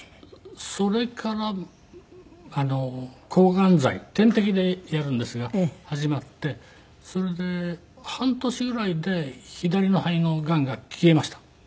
それから抗がん剤点滴でやるんですが始まってそれで半年ぐらいで左の肺のがんが消えました。